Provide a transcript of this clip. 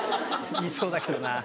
言いそうだけどな。